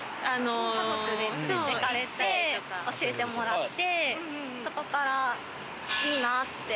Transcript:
家族で連れて行かれて教えてもらって、そこからいいなって。